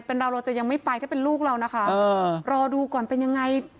เป็นเราเราจะยังไม่ไปถ้าเป็นลูกเรานะคะรอดูก่อนเป็นยังไง